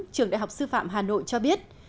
trường đại học sư phạm hà nội cho biết